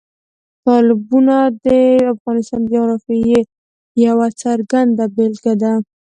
تالابونه د افغانستان د جغرافیې یوه څرګنده بېلګه ده.